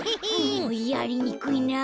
もうやりにくいなぁ。